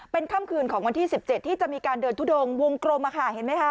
เป็นค่ำคืนของวันที่๑๗ที่จะมีการเดินทุดงวงกลมเห็นไหมคะ